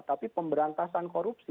tapi pemberantasan korupsi